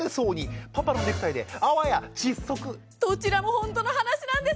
どちらもほんとの話なんです。